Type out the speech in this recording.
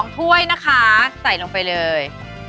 ถ้วยนะคะใส่ลงไปเลย